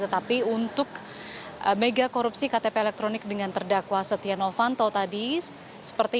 tetapi untuk mega korupsi ktp elektronik dengan terdakwa setia novanto tadi seperti